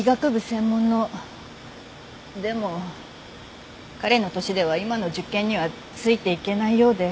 でも彼の年では今の受験にはついていけないようで。